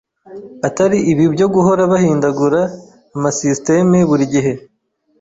Atari ibi byo guhora bahindagura ama systeme buri gihe.